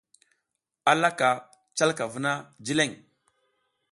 A laka calka vuna jileƞ.